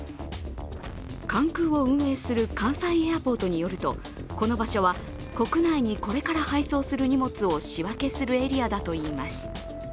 関空を運営する関西エアポートによるとこの場所は、国内にこれから配送する荷物を仕分けするエリアだといいます。